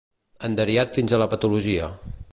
Enderiat fins a la patologia.